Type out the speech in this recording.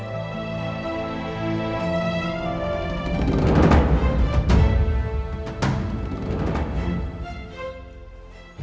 oh anak pemerintah